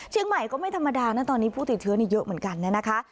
ก็ไม่ธรรมดานะตอนนี้ผู้ติดเชื้อนี่เยอะเหมือนกันนะคะ